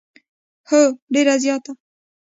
هو، ډیره زیاته